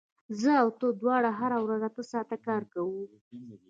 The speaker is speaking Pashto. زه او ته دواړه هره ورځ اته ساعته کار کوو